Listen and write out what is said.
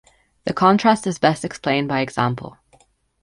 The contrast is best explained by example.